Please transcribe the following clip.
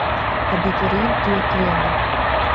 Абитуриент дҩагыланы.